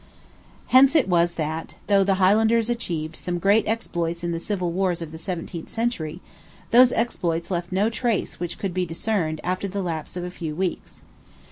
Hence it was that, though the Highlanders achieved some great exploits in the civil wars of the seventeenth century, those exploits left no trace which could be discerned after the lapse of a few weeks.